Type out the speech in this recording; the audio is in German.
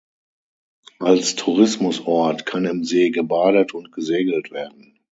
Als Tourismusort kann im See gebadet und gesegelt werden.